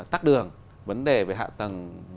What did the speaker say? tắc đường vấn đề về hạ tầng